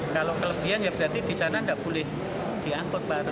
kalau kelebihan ya berarti di sana tidak boleh diangkut pak